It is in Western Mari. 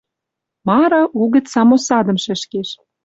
Мары угӹц самосадым шӹшкеш